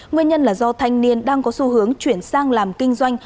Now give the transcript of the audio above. nguyên nhân là do thanh niên đang có xu hướng chuyển sang làm kinh doanh